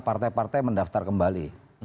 partai partai mendaftar kembali